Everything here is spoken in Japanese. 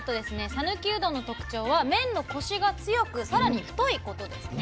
讃岐うどんの特徴は麺のコシが強く更に太いことですね。